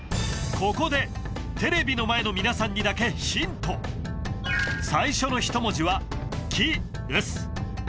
ここでテレビの前の皆さんにだけヒント最初の１文字は「き」です